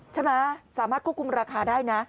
สามารถควบคุมราคาได้นะ